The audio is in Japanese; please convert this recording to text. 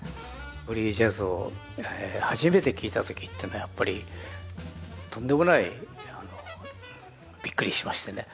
フリージャズを初めて聴いた時っていうのはやっぱりとんでもないびっくりしましてね